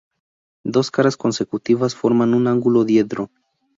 Dos caras consecutivas forman un ángulo diedro.